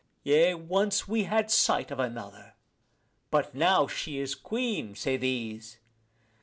Yea, once we had sight of another: but now she is queen, say these.